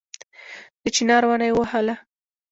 د چينار ونه يې ووهله